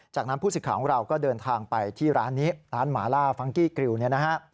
จากนั้นผู้สิทธิ์ของเราก็เดินทางไปที่ร้านนี้ร้านหมาล่าฟังกี้กริวเนี่ยนะฮะ